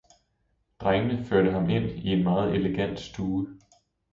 Drengene førte ham ind i en meget elegant stue.